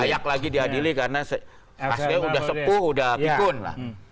kayak lagi diadili karena kasnya udah sepuh udah pikun lah